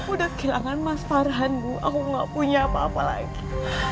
udah kehilangan mas farhanmu aku gak punya apa apa lagi